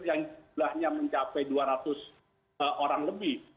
yang jumlahnya mencapai dua ratus orang lebih